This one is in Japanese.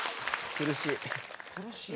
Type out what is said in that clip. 苦しい。